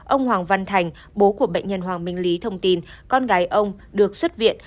ông hoàng văn thành bố của bệnh nhân hoàng minh lý thông tin con gái ông được xuất viện